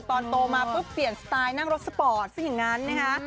โตมาปุ๊บเปลี่ยนสไตล์นั่งรถสปอร์ตซะอย่างนั้นนะคะ